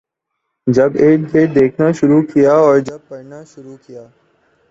جب اردگرد دیکھنا شروع کیا اور جب پڑھنا شروع کیا